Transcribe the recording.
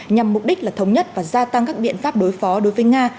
nhằm mục đích là thống nhất và gia tăng các biện pháp đối phó đối với nga